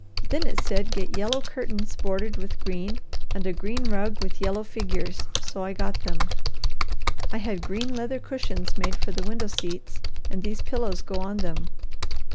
Then it said get yellow curtains bordered with green and a green rug with yellow figures, so I got them. I had green leather cushions made for the window seats, and these pillows go on them.